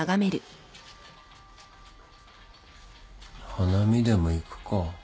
花見でも行くか。